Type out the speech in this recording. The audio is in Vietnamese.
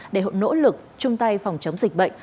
để nỗ lực chung tay phòng chống dịch bệnh